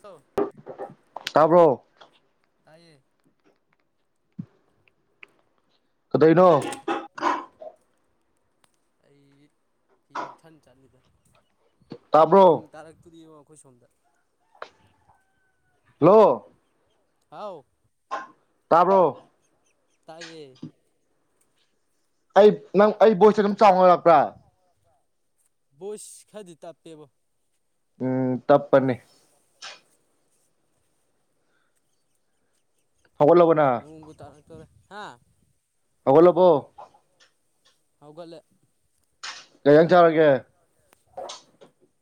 ꯇꯣ ꯇꯥꯕ꯭ꯔꯣ ꯇꯥꯏꯌꯦ ꯀꯗꯧꯏꯅꯣ ꯑꯩ ꯐꯤ ꯂꯧꯁꯟ ꯆꯠꯂꯤꯗ ꯅꯣꯡ ꯇꯥꯕ꯭ꯔꯣ ꯇꯥꯔꯛꯇꯨꯔꯤꯕꯣ ꯑꯩꯈꯣꯏ ꯁꯣꯝꯗ ꯍꯜꯂꯣ ꯍꯥꯎ ꯇꯥꯕ꯭ꯔꯣ ꯇꯥꯏꯌꯦ ꯑꯩ ꯅꯪ ꯑꯩ ꯕꯣꯏꯁꯁꯦ ꯑꯗꯨꯝ ꯆꯥꯎꯅꯔꯛꯄ꯭ꯔꯥ ꯕꯣꯏꯁ ꯈꯔꯗꯤ ꯇꯦꯞꯄꯦꯕꯣ ꯎꯝ ꯇꯞꯄꯅꯤ ꯍꯧꯒꯠꯂꯕ ꯅꯪ ꯇ ꯍꯥꯥ ꯍꯧꯒꯠꯂꯕꯣ ꯍꯧꯒꯠꯂꯦ ꯀꯩꯖꯥꯡ ꯆꯥꯔꯒꯦ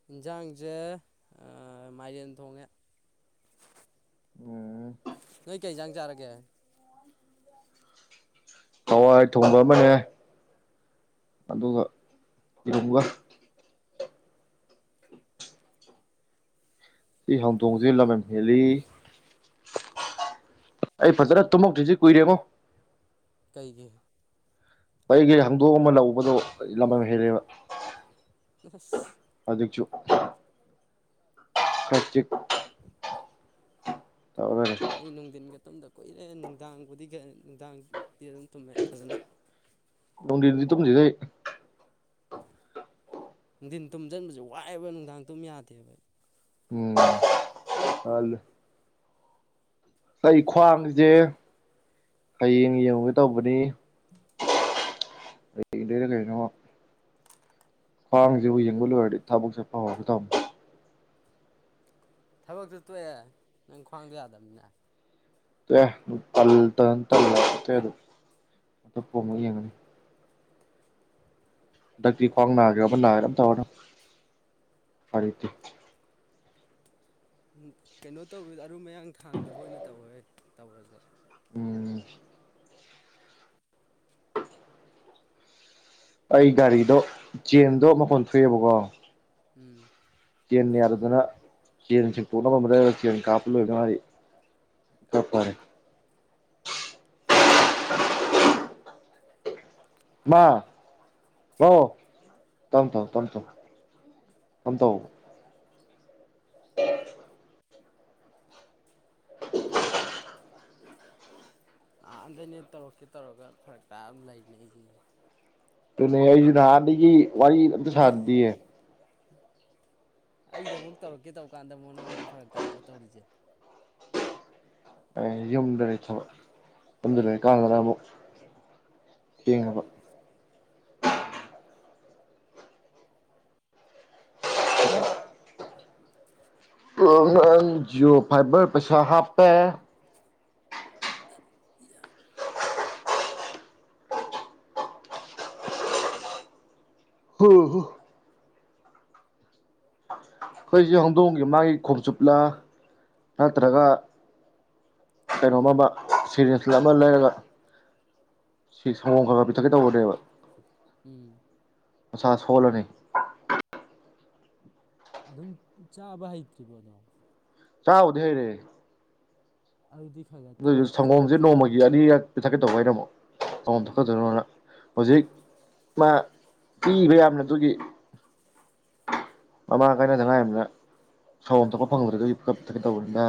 ꯌꯦꯟꯁꯥꯡꯁꯦ ꯃꯥꯏꯔꯦꯟ ꯊꯣꯡꯉꯦ ꯎꯝ ꯅꯪ ꯀꯩ ꯌꯦꯟꯖꯥꯡ ꯆꯥꯔꯒꯦ ꯍꯋꯥꯏ ꯊꯣꯡꯕ ꯑꯃꯅꯦ ꯑꯗꯨꯒ ꯌꯦꯔꯨꯝꯒ ꯁꯤ ꯍꯧꯗꯣꯡꯁꯦ ꯂꯝꯃꯟ ꯍꯦꯜꯂꯤ ꯑꯩ ꯐꯖꯅ ꯇꯨꯝꯃꯛꯇ꯭ꯔꯤꯁꯤ ꯀꯨꯏꯔꯦꯉꯣ ꯀꯩꯒꯤ ꯑꯩꯒꯤ ꯍꯧꯗꯣꯛ ꯑꯃ ꯂꯧꯕꯗꯣ ꯂꯝ ꯍꯦꯜꯂꯦꯕ [unintelligible] [inaudible] [unintelligible] ꯇꯧꯔ ꯂꯩꯔꯦ ꯑꯩ ꯅꯨꯡꯊꯤꯟꯒ ꯇꯝꯗ ꯀꯨꯏꯔꯦ ꯅꯨꯡꯗꯥꯡꯕꯨꯗꯤ ꯅꯨꯡꯗꯥꯡꯗꯤ ꯑꯗꯨꯝ ꯇꯨꯝꯃꯦ ꯐꯖꯅ ꯗꯤꯗꯤ ꯊꯨꯝꯗꯤꯗ ꯅꯨꯡꯊꯤꯟ ꯇꯨꯝꯁꯤꯟꯕꯁꯦ ꯋꯥꯏꯑꯦꯕ ꯅꯨꯡꯗꯥꯡ ꯇꯨꯝ ꯌꯥꯗꯦꯕ ꯑꯩ ꯎꯝꯂ ꯑꯩ ꯈ꯭ꯋꯥꯡꯁꯦ ꯍꯌꯦꯡ ꯌꯦꯡꯉꯨꯒꯦ ꯇꯧꯕꯅꯤ ꯍꯌꯦꯡꯗꯗ ꯀꯩꯅꯣ ꯈ꯭ꯋꯥꯡꯁꯦꯕꯨ ꯌꯦꯡꯕ ꯂꯣꯏꯔꯗꯤ ꯊꯕꯛ ꯆꯠꯄ ꯍꯧꯔꯒ ꯇꯧꯕꯅꯤ ꯊꯕꯛꯇꯨ ꯇꯣꯛꯑꯦ ꯅꯪ ꯈ꯭ꯋꯥꯡꯗꯣ ꯌꯥꯗꯕꯅꯤꯅ ꯇ ꯇꯜ ꯇ ꯇꯜꯂ ꯇ ꯑꯗꯨ ꯄꯣꯕ ꯌꯦꯡꯒꯅꯤ ꯍꯟꯗꯛꯇꯤ ꯈ꯭ꯋꯥꯡ ꯅꯥꯒꯦ ꯑꯃ ꯅꯥꯒꯦꯥ ꯑꯃ ꯇꯧꯅ ꯐꯔꯤ ꯎꯝ ꯀꯩꯅꯣ ꯇꯧꯔ ꯃꯔꯨ ꯃꯌꯥꯡ ꯊꯥꯡꯗꯕ ꯑꯣꯏꯅ ꯇꯧꯋꯦ ꯇꯧꯔꯁꯨ ꯎꯝ ꯑꯩ ꯒꯥꯔꯤꯗꯣ ꯆꯦꯟꯗꯣ ꯑꯃꯀꯣꯟ ꯊꯣꯛꯑꯦꯕꯀꯣ ꯎꯝ ꯆꯅꯤ ꯌꯥꯔꯗꯅ ꯆꯅꯤꯁꯤꯡ ꯄꯨꯅꯃ ꯃ ꯆꯟ ꯀꯄꯂꯨ ꯑꯗꯨ ꯃꯥꯔꯤ ꯀꯄꯥꯔꯦ ꯃꯥ ꯍꯣ ꯇꯝ ꯇꯧ ꯇꯝ ꯇꯧ ꯇꯝ ꯇ ꯑꯦ ꯑꯥ ꯑꯗꯩꯅꯦ ꯇꯧꯔꯛꯀꯦ ꯇꯧꯔꯒ ꯐꯔꯛ ꯇꯥ ꯑꯗꯨ ꯂꯩꯔꯤꯅꯦ ꯑꯩꯁꯦ ꯇꯅ ꯑꯩꯁꯨ ꯊꯅꯤ ꯋꯥꯔꯤ ꯑꯝꯇ ꯑꯗꯨꯅꯤ ꯁꯥꯗꯤꯌꯦ ꯑꯩꯅ ꯑꯃꯨꯛ ꯇꯧꯔꯛꯀꯦ ꯇꯧꯀꯥꯟꯗ ꯑꯃꯨꯛ ꯅꯪ ꯑꯃꯨꯛ ꯐꯔꯛ ꯇꯥꯕ ꯇꯧꯔꯤꯁꯦ ꯑꯩ ꯌꯨꯝꯗ ꯂꯩ ꯊꯕ ꯌꯨꯝꯗ ꯂꯩ ꯀꯥꯟꯗꯔ ꯑꯃꯨꯛ ꯌꯦꯡꯅꯕ ꯎꯝ ꯎ ꯑꯪ ꯖꯤꯑꯣ ꯐꯥꯏꯕꯔ ꯄꯁꯥꯞꯄ ꯏ ꯍꯝ ꯑꯩꯈꯣꯏꯁꯤ ꯍꯧꯗꯣꯡꯒꯤ ꯃꯥꯒꯤ ꯈꯣꯡꯆꯨꯞꯂꯥ ꯅꯠꯇ꯭ꯔꯒ ꯀꯩꯅꯣꯃ ꯁꯁ ꯑꯃ ꯂꯩꯔꯒ ꯁꯪꯒꯣꯝ ꯈꯔ ꯈ ꯄꯤꯊꯛꯀꯦ ꯇꯧꯕꯅꯦꯕ ꯎꯝ ꯃꯁ ꯁꯣꯂꯣꯅꯤ ꯑꯗꯨꯝ ꯆꯥꯕ ꯍꯩꯇ꯭ꯔꯤꯕꯗꯣ ꯆꯥꯎꯥꯎꯗꯦꯔꯦ ꯑꯗꯨꯗꯤ ꯈꯔ ꯈꯔ ꯑꯗꯨ ꯇꯣꯠꯂ ꯄꯤꯖꯧꯋꯣ ꯁꯪꯒꯣꯝꯁꯦ ꯆꯥꯛꯀ ꯅꯣꯡꯃꯒꯤ ꯑꯅꯤꯈꯛ ꯄꯤꯊꯛꯀꯦ ꯇꯧꯕ ꯍꯥꯏꯅ ꯑꯃꯨꯛ ꯁꯪꯒꯣꯝ ꯎꯝ ꯊꯥꯀꯗꯣꯏꯅ ꯍꯧꯖꯤꯛ ꯃꯥ ꯄꯤꯕ ꯌꯥꯝꯅ ꯑꯗꯨꯒꯤ ꯃꯃꯥꯡ ꯀꯥꯏꯅꯗꯉꯥꯏ ꯑꯃꯅ ꯁꯥꯎ ꯑꯃ ꯊꯣꯛꯄ ꯐꯪꯗ꯭ꯔ ꯑꯗꯨꯤꯞꯩꯅ ꯇꯧꯕꯅꯤꯗ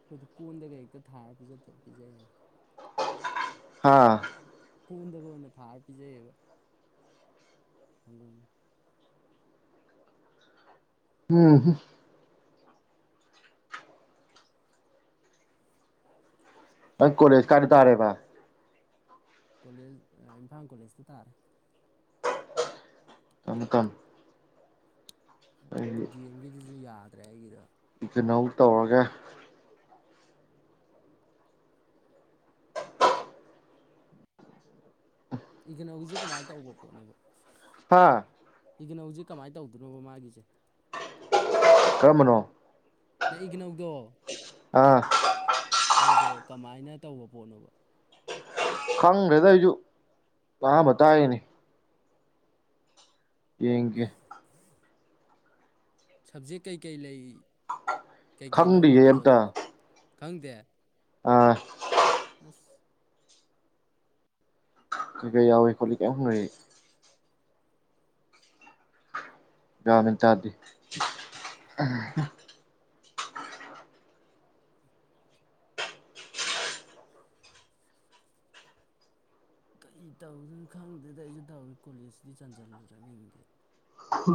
ꯑꯩꯈꯣꯏꯗꯤ ꯀꯣꯟꯗꯒꯩ ꯍꯦꯛꯇ ꯊꯥꯔ ꯄꯤꯖꯩꯩꯅ ꯍꯥꯥ ꯁꯪꯒꯣꯟꯗꯒ ꯑꯣꯏꯅ ꯊꯥꯔ ꯄꯤꯖꯩꯌꯦꯕ ꯁꯪꯒꯝ ꯎꯝ ꯅ ꯀꯣꯦꯖ ꯀꯥꯟꯗ ꯇꯥꯔꯦꯕ ꯀꯣꯂꯦꯖ ꯏꯝꯐꯥꯜ ꯀꯣꯂꯦꯖꯇ ꯇꯥꯔꯦ ꯇꯝꯃꯨ ꯇꯝꯃꯨ ꯑꯩ ꯗꯤ ꯑꯦꯝꯒꯤꯗꯨꯁꯨ ꯌꯥꯗ꯭ꯔꯦ ꯑꯩꯒꯤꯗ‌ꯣ ꯀꯩꯅꯣ ꯇꯧꯔꯒꯦ ꯏꯒꯅꯧꯒꯤꯁꯦ ꯀꯃꯥꯏꯅ ꯇꯧꯕ ꯄꯣꯠꯅꯣꯕ ꯍꯥꯥ ꯏꯒꯤꯅꯧꯁ‌ꯦ ꯀꯃꯥꯏꯅ ꯇꯧꯗꯣꯏꯅꯣꯕ ꯃꯥꯒꯤꯁꯦ ꯀꯔꯝꯕꯅꯣ ꯅꯪ ꯏꯒꯤꯅꯧꯗꯣ ꯑ ꯑꯗꯨꯗꯣ ꯀꯃꯥꯏꯅ ꯇꯧꯕ ꯄꯣꯠꯅꯣꯕ ꯈꯪꯗ꯭ꯔꯦꯗ ꯑꯩꯁꯨ ꯑꯍꯥꯟꯕ ꯇꯥꯏꯔꯤꯅꯤ ꯌꯦꯡꯒ‌ꯦ ꯁꯕꯖꯦꯛ ꯀꯩꯀꯩ ꯂꯩ ꯀꯩꯀꯩ ꯈꯪꯗꯤ‌ꯌ‌ꯦ ꯂꯧꯗꯣꯏꯅꯣꯕ ꯑꯝꯇ ꯑꯗꯨꯗꯣ ꯈꯪꯗꯦ ꯑꯥ ꯑꯁ ꯀꯩꯀꯩ ꯌꯥꯎꯋꯤ ꯈꯣꯠꯂꯤ ꯀꯩꯝ ꯌꯒꯌꯥꯟ ꯃ‌ꯦꯟ ꯇꯥꯗ‌ꯦ ꯀꯩ ꯇꯧꯗꯨꯏꯅꯣ ꯈꯪꯗꯦꯗ ꯑꯩꯁꯨ ꯇꯧꯔꯦ ꯀꯣꯂꯦꯖꯇꯤ ꯆꯥꯟꯁꯤꯜꯂꯨꯔꯦ ꯃꯤꯡꯗꯤ ꯍ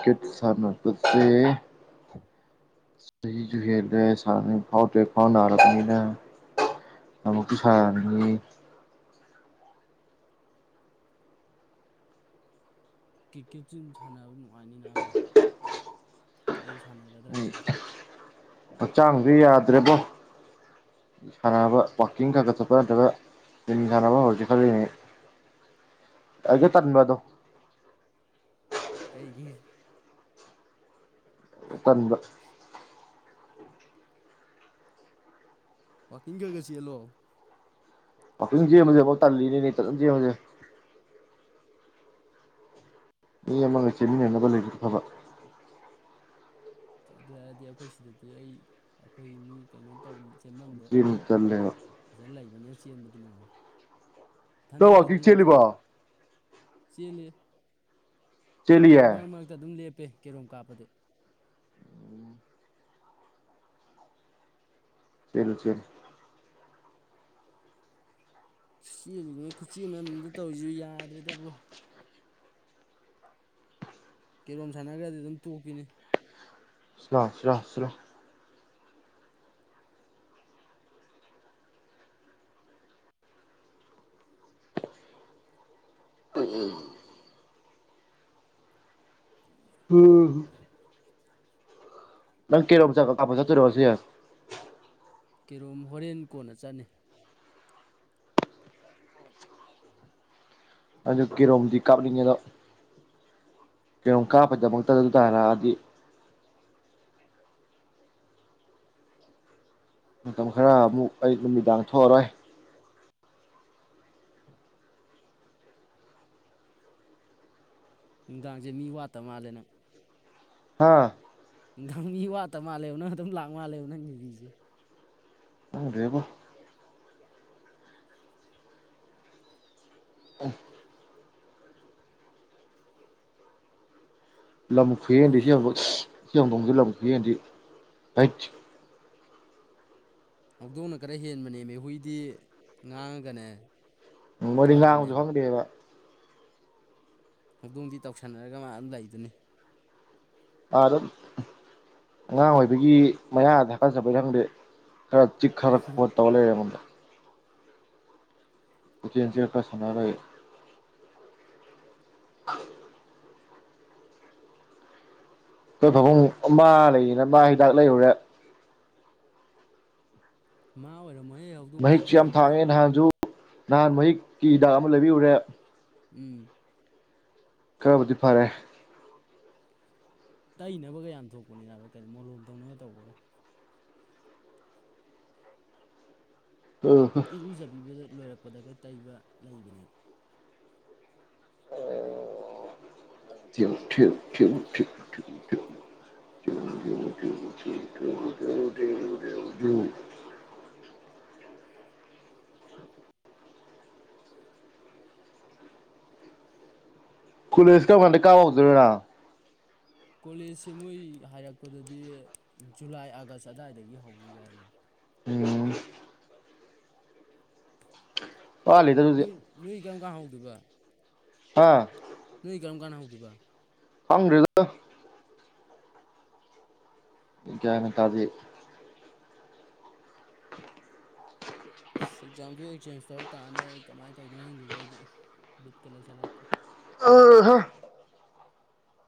ꯀꯤꯠꯁ ꯁꯅꯕꯁ‌ꯦ ꯆꯍꯤꯁꯨ ꯍꯦꯜꯂꯦ ꯁꯟꯅꯤꯡ ꯐꯥꯎꯇꯔ‌ꯦ ꯈꯋꯥꯡ ꯅꯥꯔꯛꯑꯕꯅꯤꯅ ꯑꯃꯨꯛꯁꯨ ꯁꯥꯟꯅꯅꯤꯡꯉꯤ ꯀ꯭ꯔꯤꯀꯦꯠꯁꯤ ꯑꯗꯨ ꯁꯥꯟꯅꯕ ꯅꯨꯡꯉꯥꯏꯅꯤ ꯅꯥꯕ ꯑꯩ ꯁꯥꯟꯅꯔꯗ꯭ꯔꯥ ꯈꯪꯗ‌ꯦ ꯍꯛꯆꯥꯡꯗꯤ ꯌꯥꯗ꯭ꯔꯦꯕꯣ ꯁꯥꯟꯅꯕ ꯋꯥꯔꯀꯤꯡ ꯈꯔ ꯈꯔꯛ ꯆꯠꯄ ꯅꯠꯇ꯭ꯔꯒ ꯖꯤꯝ ꯁꯥꯟꯅꯕ ꯍꯧꯔꯁꯤ ꯈꯜꯂꯤꯅ‌ꯦ ꯇꯟꯁꯨ ꯇꯟꯕ ꯑꯗꯣ ꯀꯩꯒꯤ ꯇꯟꯕ ꯋꯥꯀꯤꯡ ꯈꯔꯛ ꯈꯔ ꯆ‌ꯦꯜꯂꯣ ꯋꯥꯥꯀꯤꯡ ꯆ‌ꯦꯟꯕꯁꯤꯐꯥꯎ ꯇꯜꯂꯤꯅꯤꯅ‌ꯦ ꯏꯊꯟ ꯆ‌ꯦꯟꯕꯁ‌ꯦ ꯃꯤ ꯑꯃꯥꯒ ꯆꯦꯃꯤꯟꯅꯅꯕ ꯂꯩꯔꯗꯤ ꯐꯕ ꯑꯗꯨ ꯍꯥꯏꯔꯗꯤ ꯑꯩꯈꯣꯏ ꯁꯤꯗꯗꯤ ꯑꯩ ꯑꯩꯈꯣꯏ ꯃꯤ ꯀꯩꯅꯣ ꯇꯧ ꯆ‌ꯦꯟꯐꯝꯗꯣ ꯆꯦꯟꯕ ꯇꯜꯂꯦꯕ ꯐꯖꯅ ꯂꯩꯕꯅꯦ ꯆꯦꯟꯕꯗꯤ ꯅꯨꯡꯉꯥꯏ ꯏꯊꯟꯗ ꯅꯪ ꯑꯣꯏꯔꯁꯨ ꯋꯥꯛꯀꯤꯡ ꯑꯩ ꯑꯗꯨꯝ ꯆꯦꯜꯂꯤꯕꯣ ꯆꯦꯜꯂꯦ ꯆꯦꯜꯂꯤ ꯑꯗꯨ ꯆꯦꯜꯂꯤꯌꯦ ꯃꯔꯛ ꯃꯔꯛꯇ ꯑꯗꯨꯝ ꯂꯦꯞꯄꯦ ꯀꯦꯔꯣꯝ ꯀꯥꯞꯄꯗꯤ ꯆ‌ꯦꯜꯂꯨ ꯆ‌ꯦꯜꯂꯨ ꯆꯦꯜꯂꯤꯉꯩ ꯈꯨꯠꯆꯦꯟ ꯑꯝꯅꯤꯗ ꯇꯧꯔꯤꯁ‌ꯦ ꯌꯥꯗ꯭ꯔꯦꯗꯕꯨ ꯀꯦꯔꯣꯝ ꯁꯥꯟꯅꯈ꯭ꯔꯗꯤ ꯑꯗꯨꯝ ꯇꯣꯛꯄꯤꯅꯤ ꯁꯤꯂ ꯁꯂꯥ ꯁꯂꯥꯎ ꯎꯝ ꯎꯝ ꯍꯝ ꯅꯪ ꯀꯩꯔ‌ꯣꯝ ꯀꯥꯞꯄ ꯆꯠꯇ‌ꯣꯏꯔ‌ꯣ ꯉꯁꯤ ꯀꯦꯔꯣꯝ ꯍꯣꯔꯦꯟ ꯀꯣꯟꯅ ꯆꯠꯅꯤ ꯑꯗꯨ ꯀꯦꯔꯣꯝꯗꯤ ꯀꯥꯞꯅꯤꯡꯉꯦꯗꯣ ꯀꯦꯔꯣꯝ ꯀꯥꯞꯄꯗꯃꯛꯇ ꯑꯗꯨ ꯇꯥꯟꯅ ꯂꯥꯛꯑꯗꯤ ꯃꯇꯝ ꯈꯔ ꯑꯃꯨꯛ ꯑꯌꯨꯛ ꯅꯨꯃꯤꯗꯥꯡ ꯊꯣꯛꯑꯔꯣꯏ ꯅꯨꯡꯗꯥꯡꯁꯦ ꯃꯤ ꯋꯥꯠꯇ ꯃꯥꯜꯂꯦꯅ ꯍꯥꯥ ꯗꯪ ꯃꯤ ꯋꯥꯠꯇ ꯃꯥꯜꯂꯦ ꯅꯪ ꯑꯗꯨꯝ ꯂꯥꯛ ꯃꯥꯜꯂꯦ ꯅꯪꯒꯤꯕꯤꯁꯦ ꯈꯪꯗꯦꯕ ꯑ ꯂꯝ ꯈꯨꯍꯦꯟꯗꯣ [unintelligible] ꯁꯤꯍꯧꯗꯣꯡꯁꯦ ꯂꯝ ꯈꯨꯍꯦꯟꯗꯤ ꯏꯥꯏꯠꯊ ꯍꯧꯗꯣꯡꯅ ꯈꯔ ꯍꯦꯟꯕꯅꯦ ꯃꯦꯍꯨꯏꯗꯤ ꯉꯥꯡꯉꯒꯅꯦ ꯎ ꯃꯣꯏꯗꯤ ꯂꯥꯡꯕꯁꯨ ꯐꯕꯅꯦꯕ ꯈꯪꯗꯦꯕ ꯍꯧꯗꯣꯡꯗꯤ ꯇꯧꯁꯟꯅꯔꯒ ꯃꯥ ꯑꯗꯨꯝ ꯂꯩꯗꯨꯅꯤ ꯑꯗꯨꯝ ꯑꯉꯥꯡ ꯑꯣꯏꯕꯒꯤ ꯃꯌꯥ ꯊꯀꯠꯆꯄꯩ ꯈꯪꯗꯦ ꯈꯔ ꯆꯤꯛ ꯈꯔ ꯈꯣꯠ ꯇꯧꯂꯩꯔꯦ ꯑꯩꯉꯣꯟꯗ ꯆꯟꯁꯤ ꯑꯦꯛꯇ [unintelligible] ꯁꯅꯔꯦ [unintelligible] ꯑꯩꯈꯣꯏ ꯐꯥꯕꯨꯡ ꯃꯥ ꯂꯩꯔꯤꯅ ꯃꯥ ꯍꯤꯗꯥꯛ ꯂꯩꯔꯨꯔꯦ ꯃꯥ ꯑꯣꯏꯔ ꯃꯍꯤꯛꯁꯨ ꯌꯥꯝꯊꯥꯡꯉꯦ ꯅꯍꯥꯟꯁꯨꯨ ꯅꯍꯥꯟ ꯃꯍꯤꯛꯀꯤ ꯍꯤꯗꯥꯛ ꯑꯃ ꯂꯩꯕꯤꯌꯨꯔꯦ ꯎꯝ ꯈꯔꯕꯨꯗꯤ ꯐꯔꯦ ꯇꯩꯅꯕꯒ ꯌꯥꯝ ꯊꯣꯛꯄꯅꯤꯅꯕ ꯀꯩꯅꯣ ꯃꯣꯂꯣꯝ ꯇꯧꯅꯒ ꯇꯧꯕꯒ ꯏꯔꯨꯖꯕꯤꯕꯗ ꯂꯣꯏꯔꯛꯄꯗꯒ ꯇꯩꯕ ꯂꯩꯕꯅꯦꯕ [unintelligible] [unintelligible] ꯀꯨꯂꯦꯁ ꯀꯝꯀꯥꯟꯗꯩꯩ ꯀꯥ ꯍꯧꯗꯣꯏꯅꯣꯅ ꯀꯣꯂꯦꯖꯁꯦ ꯃꯣꯏ ꯍꯥꯏꯔꯛꯄꯗꯗꯤ ꯖꯨꯂꯥꯏ ꯑꯥꯒꯁ ꯑꯗꯥꯏꯗꯒꯤ ꯍꯧꯅꯤꯒꯥꯏꯌꯦ ꯋꯥꯂꯤ ꯎꯝ ꯄꯥ ꯂꯩꯗ ꯑꯗꯨꯗꯤ ꯀꯔꯤꯝꯀꯥꯟ ꯍꯧꯗꯣꯏꯕ ꯍꯥꯥ ꯅꯨꯏꯀꯔꯝ ꯀꯥꯟꯅ ꯍꯧꯗꯨꯕ ꯍꯪꯗꯔꯦꯗꯥ ꯒꯌ꯭ꯥꯟꯅ ꯇꯗꯦ ꯑꯦꯛꯖꯥꯝꯁꯨ ꯑꯦꯛꯆꯦꯟꯖ ꯇꯧꯔ ꯇꯥꯔꯅꯤ ꯑꯩ ꯀꯃꯥꯏꯅ ꯇꯧꯗꯣꯏꯅꯣꯗꯨꯗ ꯑꯩꯗꯤ ꯕꯤꯠꯀ ꯂꯩꯁꯤꯜꯂꯛꯇ꯭ꯔꯦ ꯑ ꯍ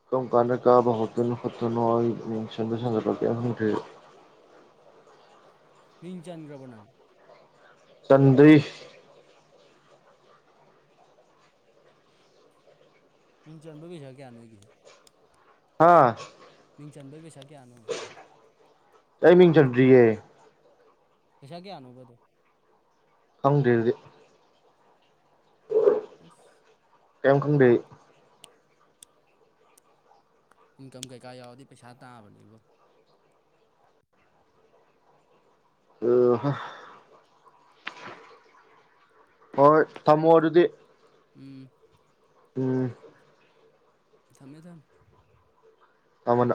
ꯀꯝꯀꯥꯟꯅ ꯀꯥꯕꯍꯧꯗꯣꯏꯅꯣ ꯍꯠꯇꯣꯏꯅꯣ ꯑꯩ ꯃꯤꯡ [unintelligible] ꯃꯤꯡꯆꯥꯟꯒ꯭ꯔꯕꯣꯅꯥ ꯆꯟꯗꯔꯤ ꯃꯤꯡ ꯆꯟꯕꯩ ꯄꯩꯁ ꯀꯌꯥ ꯅꯣꯏꯒꯤ ꯑꯥ ꯃꯤꯡ ꯆꯟꯕꯩ ꯄꯩꯁꯥ ꯀꯌꯥꯅꯣ ꯑꯩ ꯃꯤꯡ ꯆꯟꯗꯔꯤꯌꯦ ꯄꯩꯁꯥ ꯀꯌꯥꯅꯨꯕꯗꯨ ꯍꯧꯗꯗꯤ ꯑꯁ ꯀꯦꯝ ꯀꯗꯤ ꯏꯟꯀꯝ ꯀꯩꯀꯥ ꯌꯥꯎꯗꯤ ꯄꯩꯁꯥ ꯇꯥꯕꯅꯦꯕꯣ ꯑꯣ ꯑꯣ ꯇꯃꯣꯔꯗꯤ ꯎꯝ ꯎꯝ ꯊꯝꯃꯦ ꯊꯝ ꯇꯃꯅ